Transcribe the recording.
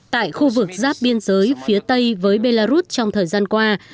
tại khu vực giáp biên giới phía tây với belarus trong thời gian qua